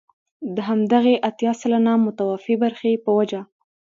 د همدغې اتيا سلنه متوفي برخې په وجه.